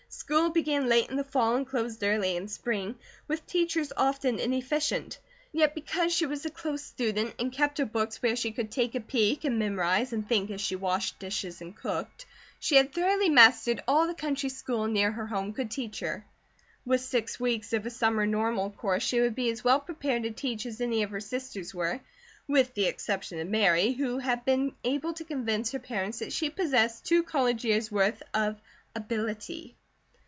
School began late in the fall and closed early in spring, with teachers often inefficient; yet because she was a close student and kept her books where she could take a peep and memorize and think as she washed dishes and cooked, she had thoroughly mastered all the country school near her home could teach her. With six weeks of a summer Normal course she would be as well prepared to teach as any of her sisters were, with the exception of Mary, who had been able to convince her parents that she possessed two college years' worth of "ability."